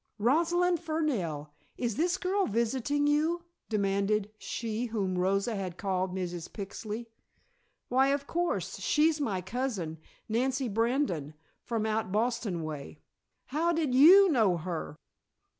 Rosalind Fernell, is this girl visiting you?" demanded she whom Rosa had called Mrs. Pixley. "Why, of course. She's my cousin, Nancy Brandon from out Boston way. How did you know her?"